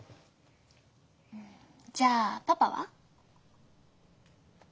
じゃあパパは？